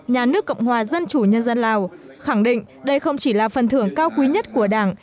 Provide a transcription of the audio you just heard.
nhà nước cộng hòa dân chủ nhân dân lào khẳng định đây không chỉ là phần thưởng cao quý nhất của đảng